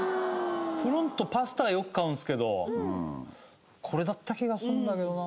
プロントパスタよく買うんですけどこれだった気がするんだけどな。